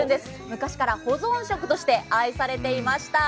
昔から保存食として愛されていました。